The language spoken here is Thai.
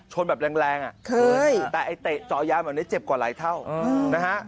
ชนแบบแรงน่ะแต่ไอ้เตะสอยาแบบนี้เจ็บกว่าหลายเท่านะครับ